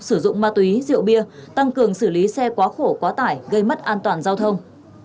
sử dụng ma túy rượu bia tăng cường xử lý xe quá khổ quá tải gây mất an toàn giao thông